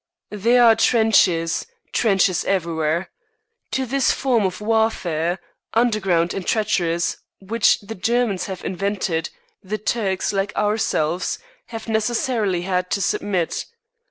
There are trenches, trenches everywhere. To this form of warfare, underground and treacherous, which the Germans have invented, the Turks, like ourselves, have necessarily had to submit.